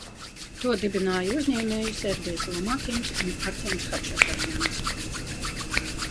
To dibināja uzņēmēji Sergejs Lomakins un Artjoms Hačatrjans.